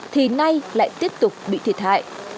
thì nay lại tiếp tục bị thiệt hại